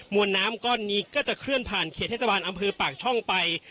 วนน้ำก้อนนี้ก็จะเคลื่อนผ่านเขตเทศบาลอำเภอปากช่องไป